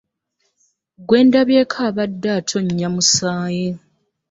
Gwe ndabyeko abadde atonnya musaayi.